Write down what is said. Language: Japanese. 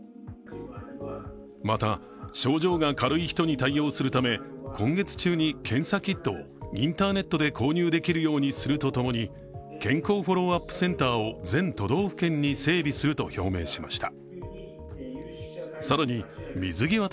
また、症状が軽い人に対応するため今月中に検査キットをインターネットで購入できるようにするとともに健康フォローアップセンターを全都道府県に整備すると表明しました。